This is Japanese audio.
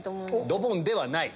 ドボンではない。